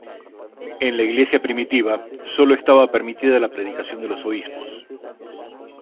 En la iglesia primitiva sólo estaba permitida la predicación de los obispos.